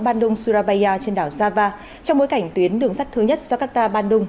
bandung surabaya trên đảo java trong bối cảnh tuyến đường sắt thứ nhất jakarta bandung